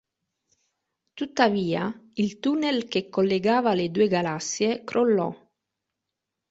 Tuttavia, il tunnel che collegava le due galassie crollò.